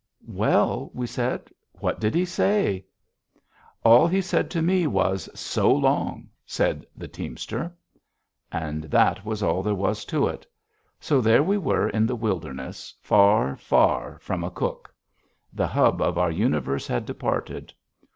"Well," we said; "what did he say?" "All he said to me was, 'So long,'" said the teamster. And that was all there was to it. So there we were in the wilderness, far, far from a cook. The hub of our universe had departed.